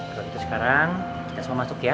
kalau itu sekarang kita semua masuk ya